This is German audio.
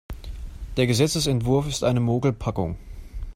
Der Gesetzesentwurf ist eine Mogelpackung.